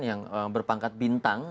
yang berpangkat bintang